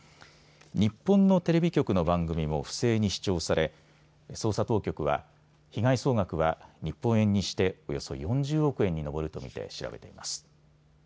日本のテレビ局の番組も不正に視聴され捜査当局は被害総額は日本円にしておよそ４０億円に上ると見て調べています。